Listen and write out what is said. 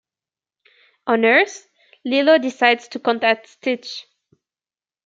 On Earth, Lilo decides to contact Stitch.